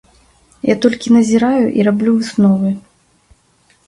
Я толькі назіраю і раблю высновы.